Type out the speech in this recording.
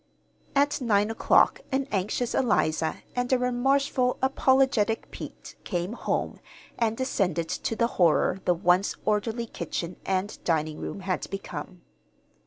At nine o'clock an anxious Eliza and a remorseful, apologetic Pete came home and descended to the horror the once orderly kitchen and dining room had become.